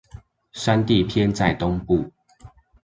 山地偏在東部